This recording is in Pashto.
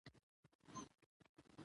عامه سرچینې د عادلانه وېش اړتیا لري.